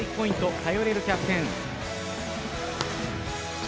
頼れるキャプテン。